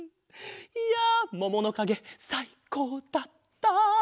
いやもものかげさいこうだった！